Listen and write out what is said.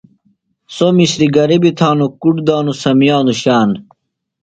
سوۡ مسِریۡ گِریۡ بیۡ تھانوۡ، کُڈ دانوۡ سمیانوۡ شان